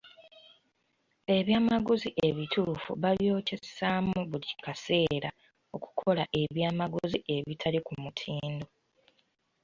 Ebyamaguzi ebituufu babyokyesaamu buli kaseera okukola ebyamaguzi ebitali ku mutindo.